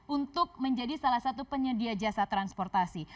untuk menjadi salah satu penyedia jasa transportasi